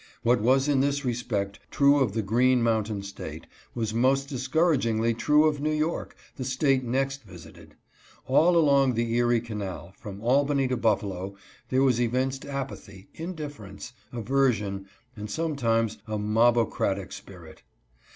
What was in this respect true of the Green Mountain State was most dis couragingly true of New York, the State next visited. All along the Erie canal, from Albany to Buffalo, there was evinced apathy, indifference, aversion, and sometimes a mobocratic spirit.